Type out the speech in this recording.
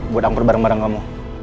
buat angker barang barang kamu